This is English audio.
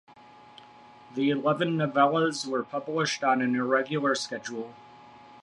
The eleven novellas were published on an irregular schedule.